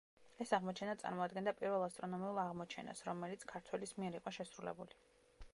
ეს აღმოჩენა წარმოადგენდა პირველ ასტრონომიულ აღმოჩენას, რომელიც ქართველის მიერ იყო შესრულებული.